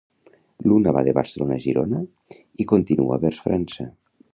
L'una va de Barcelona a Girona i continua vers França.